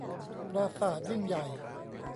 ปราสาทยิ่งใหญ่